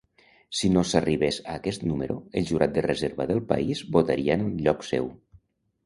Si no s'arribés a aquest número, el jurat de reserva del país votaria en lloc seu.